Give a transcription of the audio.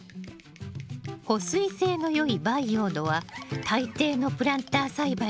保水性のよい培養土は大抵のプランター栽培にはぴったりよ。